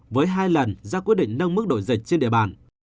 với hai lần ra quyết định nâng mức đổi dịch trên địa bàn